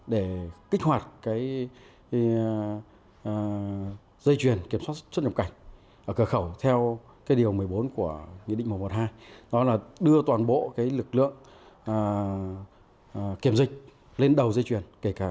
để kích hoạt dây chuyền